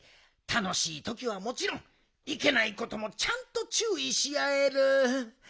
たのしいときはもちろんいけないこともちゃんとちゅういしあえる。